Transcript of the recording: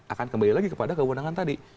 akan kembali lagi kepada kewenangan tadi